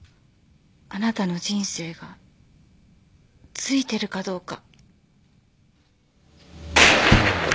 あなたの人生がついてるかどうか。